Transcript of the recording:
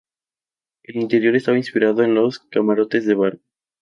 El interior estaba inspirado en los camarotes de barco.